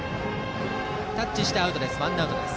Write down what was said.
タッチしてアウト。